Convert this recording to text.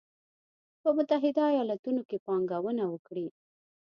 به په متحدو ایالتونو کې پانګونه وکړي